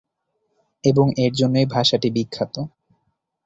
এবং এর জন্যই ভাষাটি বিখ্যাত।